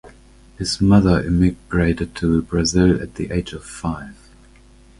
His mother immigrated to Brazil at the age of five.